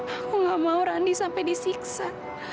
aku gak mau randi sampai disiksa